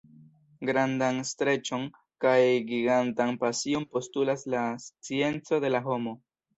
Grandan streĉon kaj gigantan pasion postulas la scienco de la homo.